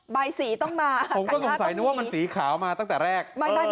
ใบสีต้องมาผมก็สงสัยนึกว่ามันสีขาวมาตั้งแต่แรก